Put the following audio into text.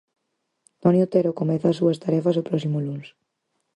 Toni Otero comeza as súas tarefas o próximo luns.